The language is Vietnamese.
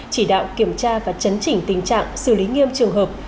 chỉ đạo kiểm tra và chấn chỉnh tình trạng xử lý nghiêm trường hợp